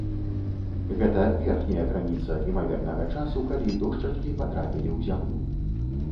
Гэта верхняя граніца імавернага часу, калі дошчачкі патрапілі ў зямлю.